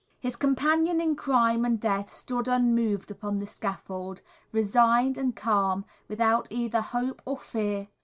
His companion in crime and death stood unmoved upon the scaffold, resigned and calm, without either hope or fear.